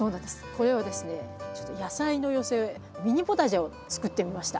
これはですね野菜の寄せ植えミニポタジェをつくってみました。